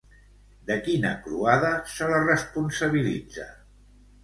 De quina croada se la responsabilitza?